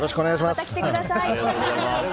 また来てください。